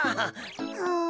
うん。